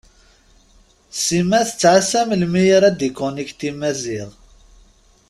Sima tettɛassa melmi ara d-yekunikti Maziɣ.